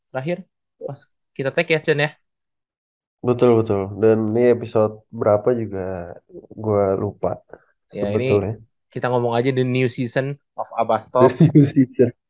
betul betul dan episode berapa juga gua lupa kita ngomong aja the new season of abastok